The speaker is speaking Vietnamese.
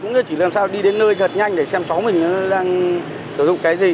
cũng như chỉ làm sao đi đến nơi thật nhanh để xem cháu mình đang sử dụng cái gì